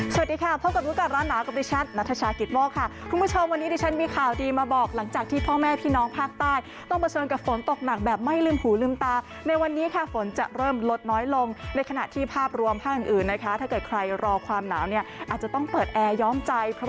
สวัสดีค่ะพบกับรู้ก่อนร้อนหนาวกับดิฉันนัทชากิตโมกค่ะคุณผู้ชมวันนี้ดิฉันมีข่าวดีมาบอกหลังจากที่พ่อแม่พี่น้องภาคใต้ต้องเผชิญกับฝนตกหนักแบบไม่ลืมหูลืมตาในวันนี้ค่ะฝนจะเริ่มลดน้อยลงในขณะที่ภาพรวมภาคอื่นอื่นนะคะถ้าเกิดใครรอความหนาวเนี่ยอาจจะต้องเปิดแอร์ย้อมใจ